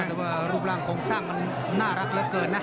แต่ว่ารูปร่างโครงสร้างมันน่ารักเหลือเกินนะ